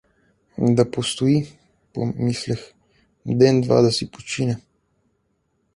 Да постои, мислех, ден-два да си почине.